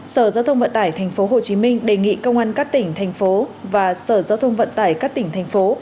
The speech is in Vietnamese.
sở giao thông vận tải tp hcm đề nghị công an các tỉnh thành phố và sở giao thông vận tải các tỉnh thành phố